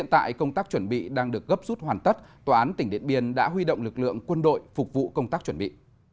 tỉnh điện biên đã huy động lực lượng quân đội phục vụ công tác chuẩn bị